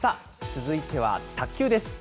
続いては卓球です。